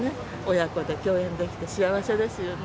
親子で共演できて幸せですよね。